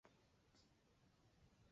位于安徽省广德县的誓节镇。